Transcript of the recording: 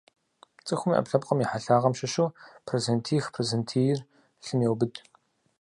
Цӏыхум и ӏэпкълъэпкъым и хьэлъагъым щыщу процентих-процентийр лъым еубыд.